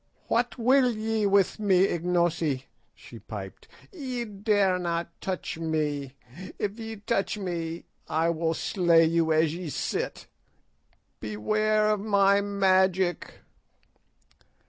"What will ye with me, Ignosi?" she piped. "Ye dare not touch me. If ye touch me I will slay you as ye sit. Beware of my magic."